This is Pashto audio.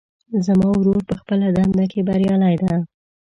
زما ورور په خپله دنده کې بریالی ده